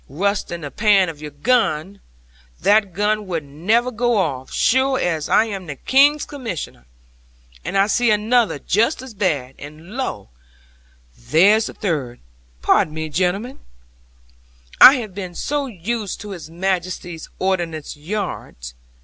Rust in the pan of your gun! That gun would never go off, sure as I am the King's Commissioner. And I see another just as bad; and lo, there the third! Pardon me, gentlemen, I have been so used to His Majesty's Ordnance yards.